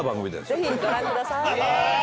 ぜひご覧ください！